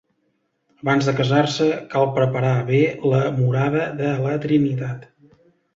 Abans de casar-se, cal preparar bé la morada de la Trinitat.